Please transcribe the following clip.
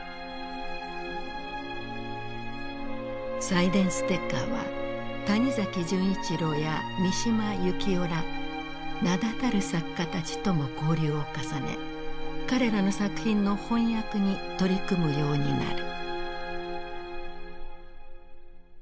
サイデンステッカーは谷崎潤一郎や三島由紀夫ら名だたる作家たちとも交流を重ね彼らの作品の翻訳に取り組むようになる。